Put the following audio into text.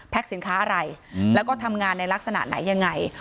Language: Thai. สินค้าอะไรแล้วก็ทำงานในลักษณะไหนยังไง